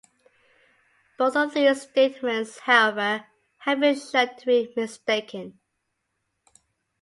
Both of these statements, however, have been shown to be mistaken.